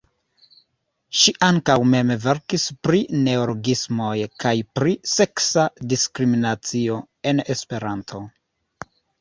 Ŝi ankaŭ mem verkis pri "neologismoj" kaj pri "seksa diskriminacio" en Esperanto.